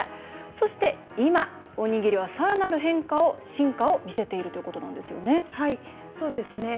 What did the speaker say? そして今、おにぎりはさらなる進化を見せているということなんですよね。